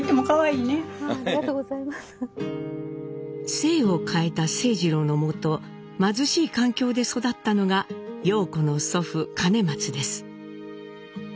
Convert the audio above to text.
姓を変えた清二郎のもと貧しい環境で育ったのが陽子の祖父兼松です。